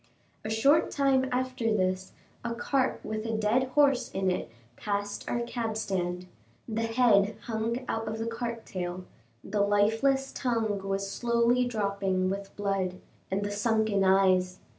A short time after this, a cart with a dead horse in it passed our cab stand. The head hung out of the cart tail, the lifeless tongue was slowly dropping with blood; and the sunken eyes!